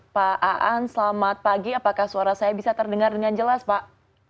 pak aan selamat pagi apakah suara saya bisa terdengar dengan jelas pak